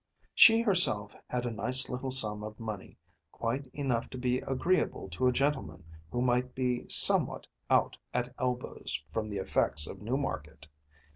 She herself had a nice little sum of money, quite enough to be agreeable to a gentleman who might be somewhat out at elbows from the effects of Newmarket.